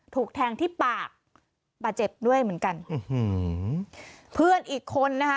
ถูกแทงที่ปากบาดเจ็บด้วยเหมือนกันอื้อหือเพื่อนอีกคนนะคะ